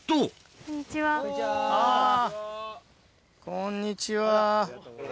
こんにちは。